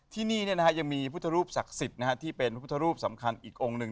ที่นี่ยังมีพุทธรูปศักดิ์สิทธิ์ที่เป็นพุทธรูปสำคัญอีกองค์หนึ่ง